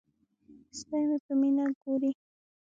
سپی مې په مینه ګوري.